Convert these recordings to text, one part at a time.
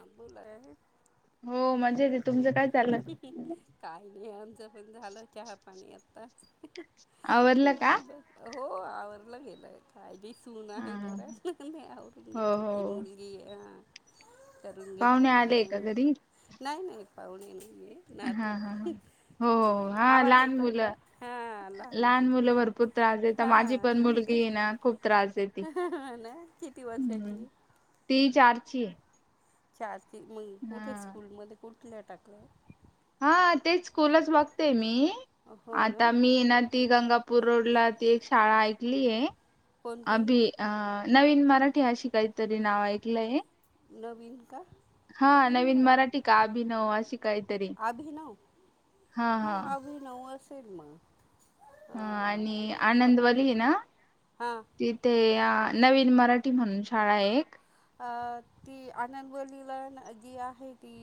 आां बुलाय हो मजेत आहे. हम्म्म तुमचं काय चाललं हम्म काही नाही आमचं पण झाला चहा पाणी आताच आवरलं का हो आवरलं गेलंय काय मी सून हा आहे घरात नाही आवरून हो घेते काही हो मुली की अहं पाहुणे आले का घरी. नाही नाही पाहुणे नाहीये हा हा नातू. हा हो हो हा आवाज लहान येतोय का मुलं हां लहान मुलगी मुलं आहे. भरपूर त्रास देता माझी पण मुलगी ना खूप त्रास देते ह ना स्थिती हम्म बसायची ती चारची ये चार ती मग कुठे स्कूलमध्ये कुठल्या टाकलं हा तेच स्कूलच बघते मी हो ना आता मी येणार ती गंगा नागपूर रोड ला ती एक शाळा ऐकली आहे कोणती अभी अं नवीन मराठी अशी काहीतरी नाव ऐकलंय इका हा नवीन मराठी का अभिनव अशी काहीतरी आभिनव हा हा नऊ आ सेल मगं हा आणि आनंदवाली ना हां तीत ते नवीन मराठी म्हणून शाळा एक अ ती आणवलीला जी आहे ती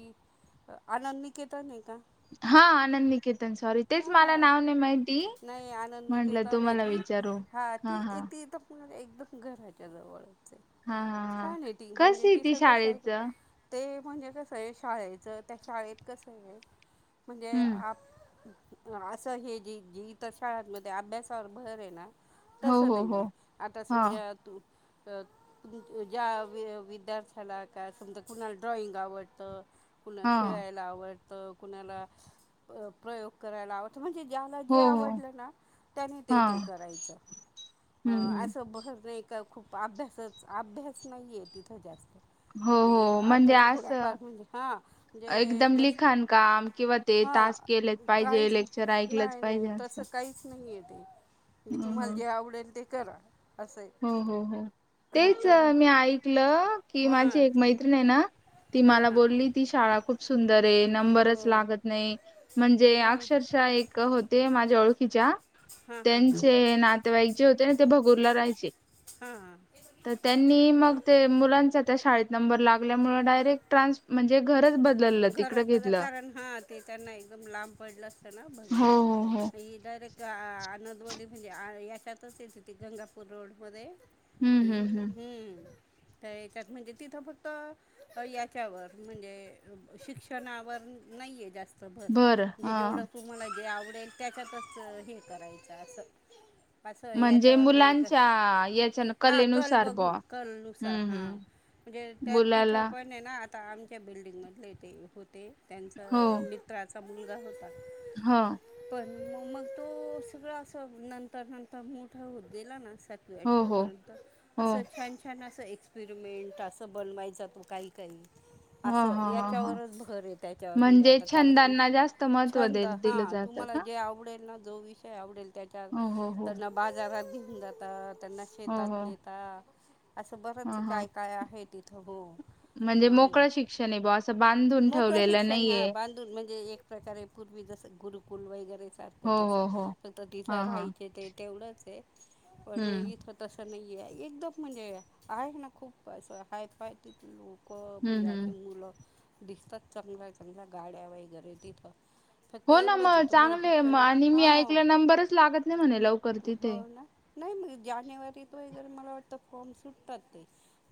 आनंद निकेतन ये का हा आनंद निकेतन सॉरी तेच मला हां नाव नाही माहिती नाही आनंद म्हटलं केला नाही तुम्हाला री विचारू हा ती त तर ला एकदम घराच्या जवळच आहे हा हा हा छान आहे ती कस म्हणजे आहे तीफ ती कसा आहे शाळेच ते म्हणजे कसं आहे शाळेचं त्या शाळेत कसं आहे म्हणजे हम्म आप असं हे जी जी इतर शाळांमध्ये अभ्यासावर भर आहे ना हो तसं हो नाहीय हो आहे आता हा समजा तू तर ज्या वि विद्यार्थ्याला काय समजा कुणाला ड्रॉइंग आवडतं कुणा हा खेळायला आवडतं कुणाला प्रयोग करायला आवडतं म्हणजे ज्याला हो जे हो आवडलं ना त्याने ते हा ते करायचं हम्म अं हम् असं भर नाही का खूप अभ्यासच अभ्यास नाहीये तिथं जास्त हो ज हो अ म्हणजे बस थोडा असं फर्ज हां ज एकदम द लिखाण काम किंवा ते हा तास केलेच पाहिजे काहीच लेक्चर ऐकलंच नाही नाही पाहिजे असं तसं काहीच नाहीय ते म्हणजे हम् हम तुम्हाला जे आवडेल ते करा असं हो आहे हो हो तेच तर मी ऐकलं की माझी हां एक मैत्रिण आहे ना ती हां मला हां बोलली ती शाळा कुठ सुंदर ये हो नंबरच लागत नाही म्हणजे हां हां अक्षरशः एक हो ते माझ्या ओळखीच्या हां हां त्यांचे नातेवाईक जे होते ना ते भगूरला राहायचे. हा तर त्यांनी मग ते मुलांचा त्या शाळेत नंबर लागल्यामुळे डायरेक्ट ट्रान्स म्हणजे घरच ब घरज कारण हा ते त्यांना एकदम लांब पडलं असतं ना बघून हो हो हो तेडायरेक्ट ग आनंदवली म्हणजे याच्यातच य ति ती गंगापूर रोडमध्येध्ये हम्म की हम्म हम्म हमम त्या याच्यात म्हणजे तिथं फक्त याच्यावर म्हणजे शिक्षणावर नाहीये जास्त भर बरं म्हणजे हा जेवढं तुम्हाला जे आवडेल त्याच्यातच हे करायचं असं अस म्हणजे याच्यावर नाही. मुलांच्या याच्या हा कल कलेनुसार बुवा बघून कल नुसार हम्म हा हम्म म्हणजे त्या तिथं मुलाला पण ये ना आता आमच्या बिल्डिंग मधले ते होते त्यांचा हो मित्राचा मुलगा होता. हा पण मग मग तो सगळं असं नंतर नंतर मोठा होत गेला ना स सातवी हो आठवी हो पर्यंत हो असं छान छान असं ए एक्सपिरमेंट असं बनवायचा तो काही काही हा हा हा हा त्याच्यावरच भर आहे त्याच्यावर म्हणजे आता त्याला पण छंदांना जास्त महत्त्व छंद दे दिलं हा जातं तुम्हाला का जे आवडेल ना जो विषय आवडेल त्याच्या हो हो हो त्यांना बाजारात घेऊन जाता त्यांना हो हो शेतात नेता असं ह बरंच ह काय काय आहे तिथं हो म्हणजे मोकळं शिक्षण आहे बुआ असं बांधून मोकळं ठेवलेलं शिक्षण हा नाहीये. बांधून म्हणजे एक प्रकारे पूर्वी जस गुरुकुल वगैरे ते हो तस हो हो नंतर तिथ हा हा राहायच ते तेवढंच ये पण हम्म इथ तसं नाहीये एकदम म्हणजे आहे ना खूप असं हायफाय तिथ लोक क म्हणजे हम्म हम्म असशी मुलं दिसतात चांगल्या चांगल्या गाड्या वगैरे तिथं फक्त हो ना एवढंच मग आहे तुम्हाला चांगले आहे. मग शिक्षण आणि मी हो ऐकलं नंबरच लागत नाही म्हणे लवकर तिथे हो ना नाही मग जानेवारीत वगैरे मला वाटतं फॉर्म सुटतात ते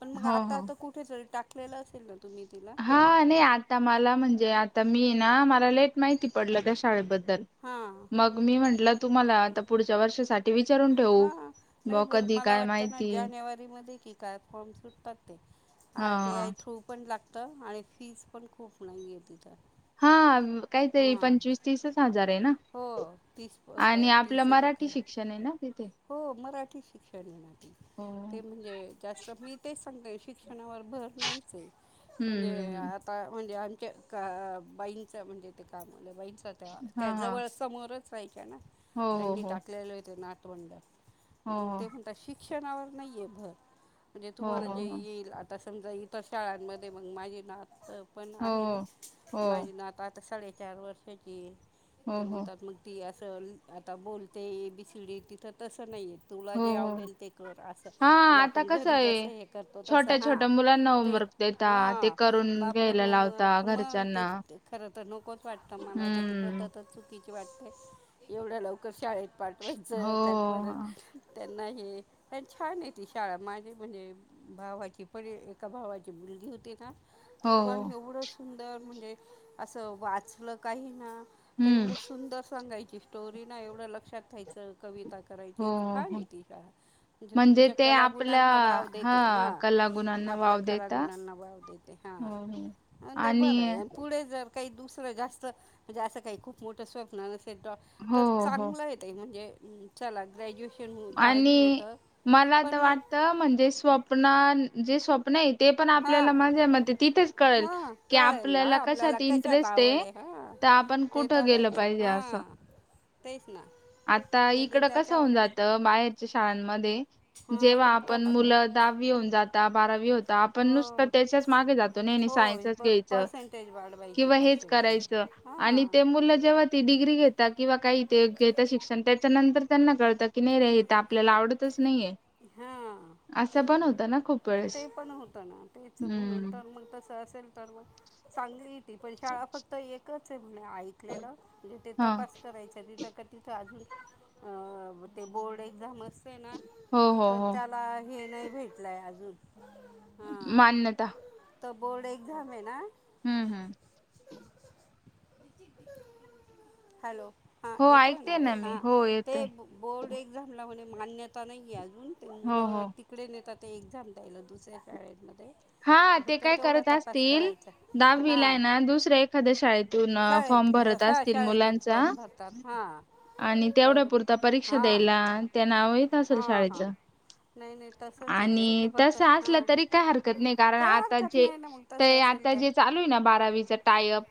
पण मग हो हो आताता कुठ कुठेतरी टाकलेलं असेल ना तुम्ही तिला हा नाही आता मला म्हणजे आता मी ये ना मला लेट माहिती पडलं त्या शाळेबद्दल हा मग मी म्हंटलं तुम्हाला आता पुढच्या वर्षासाठी विचारून ठेव. हा हा, नाही ब मला वाटतं ना जानेवारी मध्ये की काय फॉर्म सुटतात ते. हा आर टीआय थ्रू पण लागत आणि फीस पण खूप नाहीये तिथं. हा काहीतरी हां पंचवीस तीसच हजार आहे ना? हो तीस पप तीसच का? त्यांनी ना तिथे हो मराठी शिक्षण हेना ते, हो ते म्हणजे जास्त मी तेच सांगते शिक्ष णावर भर नाहीच ये हम्म म्हणजे हम्म हम्म आ ता म्हणजे आमच्या का, बाईंचं म्हणजे ते कामवाल्या बाईंचं त्या हा हा त्याजवळ समोरच राहायच्या ना हो हो त्यांनी हो टाकलेलय ते नातवंड, हो मग ते शिक्षणावर नाहीेये भर म्हणजे तुम्हाला जे हो येईल आता समजा इथं शाळांमध्ये मग माझी नातं पण हो हो आहे ना हो माझी नात आता साडेचार वर्षाची ये, हो हो हो तर हो म्हणतात मग ती असं आता बोलते ए बी सी डी तिथं तसं नाही ये. तुला हो जे हो आवडेल ते कर असं, हा म्हणजे आता आपण कसं घरी आहे जसं हे करतो तसं छोट्या हां छोट्या मुलांना ते. होमवर्क देता ते हा, करून बापरे! घ्यायला हो म लावता क मग ते घरच्यांना खर तर नकोचं वाटतं मला तर ती हम्म पद्धतच चुकीची वाटते एवढ्या लवकर शाळेत हो पाठवायचं. त्यात परत हो त्यांना हे छानये ती शाळा माझी म्हणजे भावाची पण एका भावाची मुलगी होती ना ते हो पण एवढं सुंदर म्हणजे असं वाचलं काही ना तर हम्म एवढं सुंदर सांगायची स्टोरी ना एवढं लक्षात घ्यायचं कवि करायचे हो छान हो ये ती शाळा म्हणजे म्हणजे तुमच्या ते आपल्या कलागुणांना वाव देते हा, कलागुणांना आपल्या वाव देता कलागुणांना वाव देत. हो हो. अ ते आणि बरंय अनं पुढे जर काही दुसरं जास्त म्हणजे असं काही खूप मोठं स्वप्न नसेल हो तर हो चांगलं ये. ते म्हणजे चला ग्रॅज्युएशन हो दहावी आणि, होतं मला आता पण वाटत म्हणजे स्वप्ना जे स्वप्न नाही ते पण हां आपल्याला माजे मण तिथेच कळेल, हां की कळेल ना आपल्याला आपल्याला कशात इंटरेस्ट आवड ये. आहे हां तर आपण ते तर कुठं गेलं आहेच पाहिजे असं? हां तेच ना आता नाही ते इकडं कस होऊन जा त्याच्यावरच बाहेरच्या शाळांमध्ये, हां जेव्हा फक्त आपण हा- मुलं दहावी होऊन जाता बारावी हो तर आपणं हो नुसतं त्याच्याच मागे जातो नाही नाही सायन्सच हो घ्यायचं, पर्सेंटेज वाढवायचे किंवा हेच पर्सेंटेज करायचं. आणि हां ते मुलं जेव्हा ती डिग्री घेता किंवा काही ते घेता शिक्षण त्याच्यानंतर त्यांना कळत. की नाही रे ते आपल्याला आवडतचं नाहीये. हा, असं तेच पण ना. होतं खूप वेळेस. ते पण होतं ना तेचं म्हणून हम्म. तर मग तसं असेल तर मग. चांगली ती पण शाळा फक्त एकच आहे म्हणे ऐकलेलं. जिथे हा तपास करायच्या तिथ क तिथं अजून, ते बोर्ड एक्झाम असते ना? हो हो तर हो त्याला हे नाही भेटलंय अजून, हा. मान्यता तो बोर्ड एक्झाम आहे ना. हम्म हम्म. हॅलो. हा हो येतोय ना ऐकते मी हा, हो येतय ते बोर्ड एक्झामला म्हणे मान्यता नाही ये अजून ते हो मुलं हो त तिकडे नेता ते एक्झाम द्यायलं दुसऱ्या शाळेमध्ये. हा तर ते फक्त काय तेवढा करतं तपास असतील करायचा दहाविला हां येना दुसऱ्या एखाद्या शाळेत तुन शाळेत फॉर्म भरत हां असतील शाळेतून मुलांचा. फॉर्म भरतात हां आणि तेवढ्या तर पुरता परीक्षा हां द्यायला त्या नाव असल हां शाळेच, हां नाही नाही तसंच आहे आणि ते फक्त तस असलं हां तरी काय हारक [unintelligible] कारण काही आता हरकत जे नाही ना मग ते तसं असेल आता जे तर चालू आहे ना बारावीचा टायअप.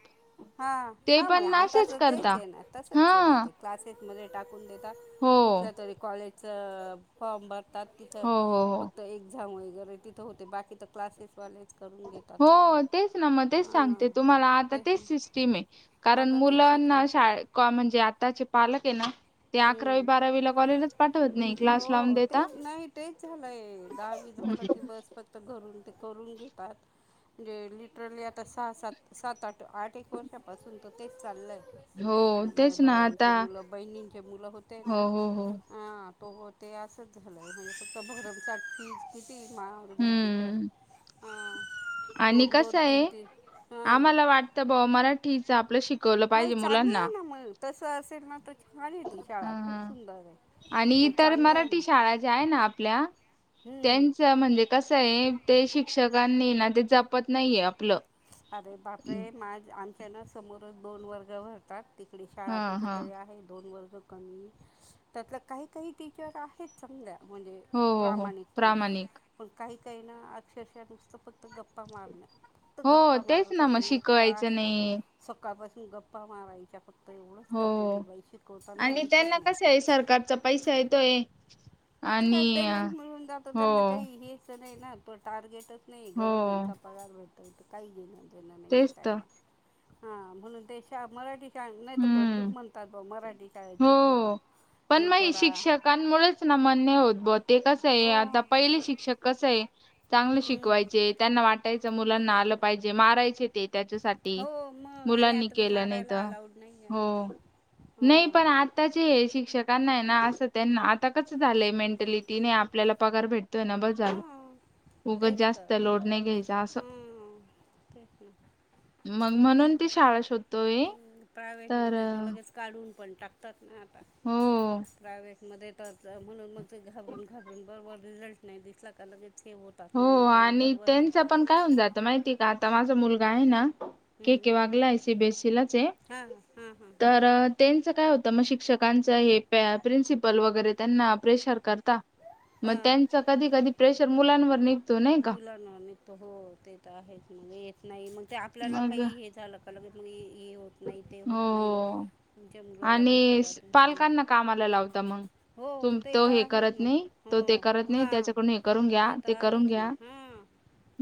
हा ते हा मग पण आता असेच तेच करता ये आहे ना हा तसच ये ना ते. क्लासेसमध्ये टाकून देता हो कुठल्या तरी कॉलेजचं फॉर्म भर. भारतात तिथं हो हो हो फक्त एक्झाम वगैरे तिथं होते बाकी तर क्लासेसवालेच करून घे हो तेच ना मग तेच सांगते तुम्हाला आता तेच सिस्टीम आहे, कारण आता ती मुलांना सिस्टीम [unintelligible] म्हणजे आताचे पालक आहे ना. ते अकरावी हम्म बारावीला कॉलेजच पाठवत नाही हो क्लास लावून हो ते देता. झाल की बस फक्त घरून ते करून घेतात म्हणजे लिटरली आता सहा सात सात आठ आठ एक वर्षांपासून तर तेच चालय. हो माझे तेच ना आता भावांचे मुलं बहिणींचे मुलं होते हो ना, हो हो अ. तो ते असंच झालंय म्हणजे फक्त भरमचाटीज किती मा. तिथं हम्म हा आणि दोन दोन तीन तीन हा. आम्हाला वाटतं मला ठीच आहे आपलं शिक नाही चांगलं आहे ना मग तसं असेल ना तर छान ये ती हा शाळा खूप हा सुंदर ये, आणि मग इतर चांगलं ये मराठी ना. शाळा जे आहे ना आपल्या. हम्म. त्यांच म्हणजे कसं ये ते शिक्षकांनी ना ते जपत नाहीये आपलं. अरे बापरे! माझं आमच्या ना समोरचं दोन वर्ग भरतात. तिकडे शाळा हा हा कुठेतरी आहे दोन वर्ग कमी, त्यातलं काही काही टीचर आहेत. चांगल्या म्हणजे हो हो हो प्रामाणिकपणे. प्रामाणिक पण काही काही ना अक्षरशः नुसतं फक्त गप्पा मारणं. फक्त हो गप्पा मारत तेच होत्या ना मग ते एक तर शिकवायचं आहे ना नाही सकाळपासून गप्पा मारायच्या फक् तर एवढंच हो करते ती बाई शिकवताना दिसत नाही. ते सरकारचं. पैसा येतोय. ते काय आणि पेमेंट मिळून जातो हो त्यांना काही हे नाही ना प टार्गेटच नाही हो गव्हर्नमेंटचा पगार भेतत काही घेणार नाही. नाही तेच तर त्यांना हा म्हणून मराठी नाही तर, भरपूर हम्म म्हणतात ब मराठी काळ शिकवा, हे करा कामुळेळेच ना मान्य होत. ब ते कसं आहे हो आता पहिले शिक्षक कस आहे. चांगलं हम्म शिकवायचे, त्यांना वाटायचं मुलांना आलं पाहिजे मारायचे त्याच्यासाठी हो मग आणि मुलांनी आता ते केलं नाहीत. मारायला अलाउड नाही आहे ना! ह आताचे हे शिक्षकांना आहे ना! असं त्यांना आता कच झालंय मेंटलिटीने आपल्याला पगार भेटत. ना बाल हां उगं तेच जास्त तर लोड नाही घ्यायचा असं कू मग म्हणून ती शाळा शोधतोय. प्रायवे्हेटमध्ये तर लगेच काढून पण टाकतात ना! आता हो. प्रायवे्हेट मध्ये तरच म्हणून मग ते घाबरून घाबरून बरं बर रिझल्ट नाही दिसला का लगेच हे होत. हो आणि त्यांचं पण काय होऊन जात माहितीय का आता माझा मुलगा आहे ना! के के वागलाय सि बे सिलाचे हां हां हां हां तर, त्यांचं काय होतं मग शिक्षकांचं हे प्रिन्सिपल वगैरे त्यांना प्रेशर करता. मग त्यांचा हां कधी कधी प्रेशर मुलांवर नाही. का मुलाना तर हो ते तर आहेच मग येत नाही मग ते आपल्याला काही हे झालं का? कल हो [unintelligible] हो हो मुलाला हे आणि करा तुमच्या मुला पालकांना कामाला लावता मग, हो तुम ते तो तर हे आहेच करत ना नाही, तो ते करत हो नाही हां त्याच्याकडून हे करून घ्या, तर ते करून आहेच ना घ्या, हां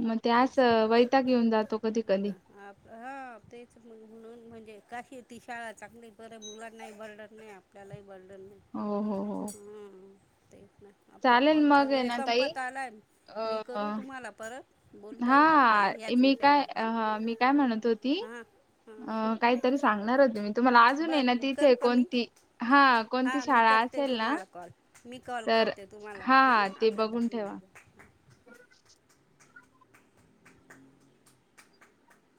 मग त्यास तेच तर वैता घ येऊन जातो कधी कधी हा तेच म्हणून म्हणजे कशी ती शाळा चांगली बरे! मुलां नाही ओरडत नाही. त्यालाही बर्डन होईल. होहो हो. हमम तेच ना, आपलं चालेल कॉलचा मग आहे वेळ ना ताई संपत आलाय अ मी करू तुम्हाला परत. बोलता येईल हा आपल्याला ह्याच मी काय विषयावर हां मी काय म्हणत होती हां हां अ काहीतरी सांगणार होते मी तुम्हाला अजून ये ना बरं करू तिथे का मी कोणती हा कोणती हां मी शाळा करते असेल ना तुम्हाला कॉल मी कॉल तर करते तुम्हाला हा हां ते आपले बघून दहा ठेवा. मिनिट [inaudible] [inaudible]